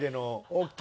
ＯＫ。